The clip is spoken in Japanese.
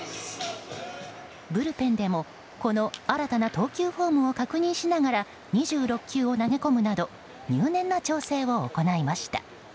ブルペンでも、この新たな投球フォームを確認しながら２６球を投げ込むなど入念な調整を行いました。